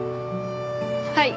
はい！